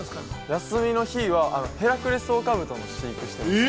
◆休みの日はヘラクレスオオカブトの飼育をしています。